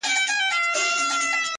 په کوټه کي به په غېږ کي د څښتن وو،